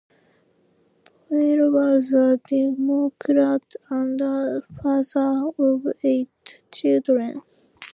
Boyle was a Democrat, and the father of eight children.